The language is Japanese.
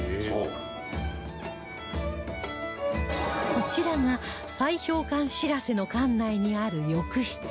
こちらが砕氷艦「しらせ」の艦内にある浴室